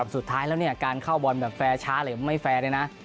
สุดท้ายแล้วการเข้าบอลแบบแฟร์ช้าหรือไม่แฟร์เนี่ยนะ